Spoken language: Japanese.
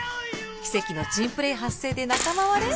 奇跡の珍プレー発生で仲間割れ！？